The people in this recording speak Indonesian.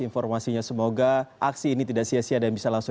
informasinya semoga aksi ini tidak sia sia dan bisa langsung